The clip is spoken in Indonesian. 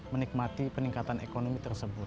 menikmati peningkatan ekonomi tersebut